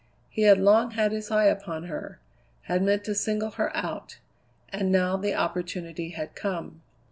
He had long had his eye upon her, had meant to single her out. And now the opportunity had come.